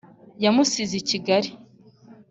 yamusize i kigali,